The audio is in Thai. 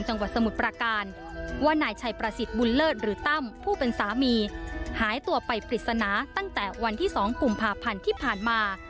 สมุทรประการว่านายชัยประสิทธิ์บุญเลิศหรือตั้มผู้เป็นสามีหายตัวไปปริศนาตั้งแต่วันที่๒กุมภาพันธ์ที่ผ่านมา